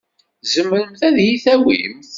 Tzemremt ad iyi-tawimt?